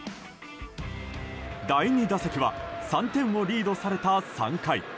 第２打席は３点をリードされた３回。